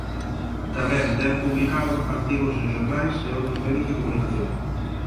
Tamén ten publicado artigos en xornais e outros medios de comunicación.